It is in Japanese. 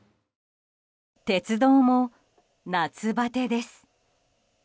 鉄道も夏バテです。